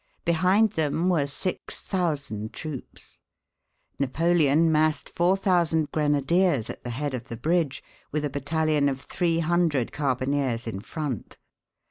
Behind them were six thousand troops. Napoleon massed four thousand grenadiers at the head of the bridge, with a battalion of three hundred carbineers in front.